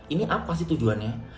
ini apa sih tujuannya